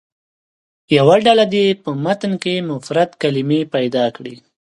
یوه ډله دې په متن کې مفرد کلمې پیدا کړي.